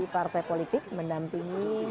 partai politik menampingi